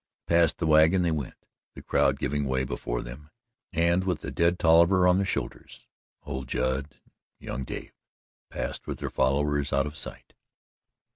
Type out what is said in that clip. Past the wagon they went, the crowd giving way before them, and with the dead Tolliver on their shoulders, old Judd and young Dave passed with their followers out of sight.